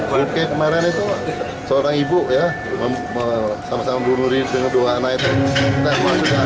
oke kemarin itu seorang ibu ya sama sama bunuh diri dengan dua anak itu